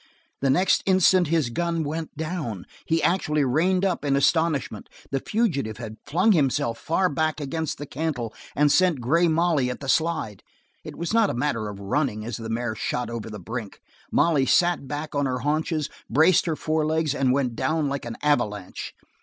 The next instant his gun swung down, he actually reined up in astonishment. The fugitive had flung himself far back against the cantle and sent Grey Molly at the slide. It was not a matter of running as the mare shot over the brink. Molly sat back on her haunches, braced her forelegs, and went down like an avalanche.